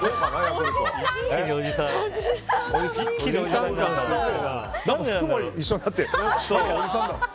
服もおじさんだ。